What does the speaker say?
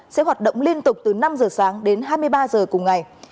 sẽ hoạt động liên tục từ năm giờ sáng đến hai mươi ba giờ cùng ngày